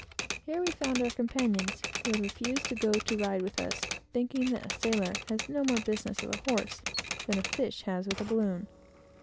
Here we found our companions who had refused to go to ride with us, thinking that a sailor has no more business with a horse than a fish has with a balloon.